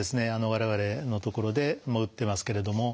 我々のところで打ってますけれども。